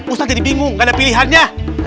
ustadz jadi bingung gak ada pilihannya